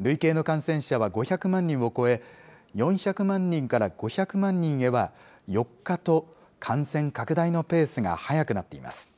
累計の感染者は５００万人を超え、４００万人から５００万人へは４日と、感染拡大のペースがはやくなっています。